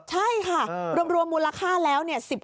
ใช่ค่ะรวมมูลค่าแล้ว